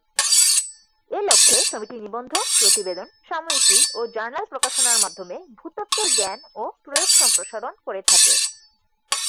এ লক্ষ্যে সমিতি নিবন্ধ, প্রতিবেদন, সাময়িকী ও জার্নাল প্রকাশনার মাধ্যমে ভূতত্ত্বের জ্ঞান ও প্রয়োগ সম্প্রসারণ করে থাকে।